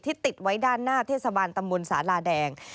ติดไว้ด้านหน้าเทศบาลตำบลสาลาแดง